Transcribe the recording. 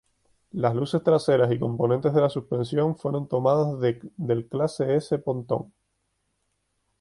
Las luces traseras y componentes de la suspensión fueron tomados del clase S pontón.